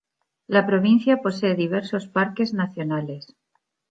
La provincia posee diversos parques nacionales.